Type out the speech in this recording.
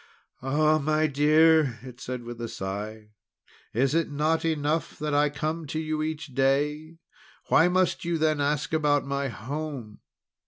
"Ah, my dear," it said with a sigh, "is it not enough that I come to you each day? Why must you then ask about my home?